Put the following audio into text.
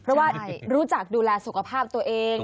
เพราะว่ารู้จักดูแลสุขภาพตัวเอง